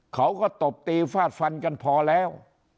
เขาก็ตบตีฟาดฟันกันพอแล้ว